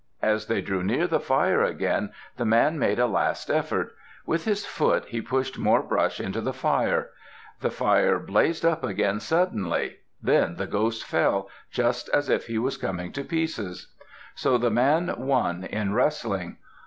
As they drew near the fire again, the man made a last effort; with his foot he pushed more brush into the fire. The fire blazed up again suddenly. Then the ghost fell, just as if he was coming to pieces. So the man won in wrestling.